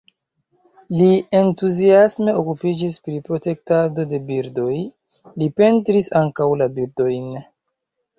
Li entuziasme okupiĝis pri protektado de birdoj, li pentris ankaŭ la birdojn.